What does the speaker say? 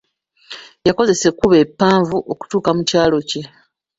Yakozesa ekkubo eppanvu okutuuka mu kyalo kye.